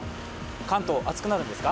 関東、暑くなるんですか？